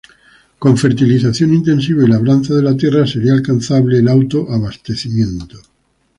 Con fertilización intensiva y labranza de la tierra, sería alcanzable el auto-abastecimiento.